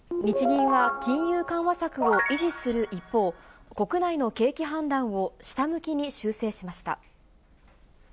日銀は金融緩和策を維持する一方、国内の景気判断を下向きに修正しました。